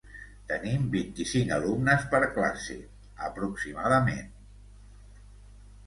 Tenim vint-i-cinc alumnes per classe, aproximadament.